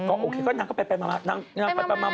โอเคก็นั่งไปมาปะมา